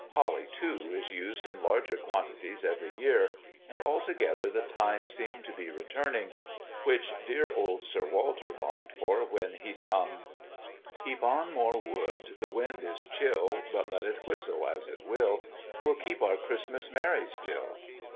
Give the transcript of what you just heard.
Holly, too, is used in larger quantities every year, and altogether the times seem to be returning, which dear old Sir Walter longed for when he sung: Heap on more wood! the wind is chill But let it whistle as it will, We'll keep our Christmas merry still.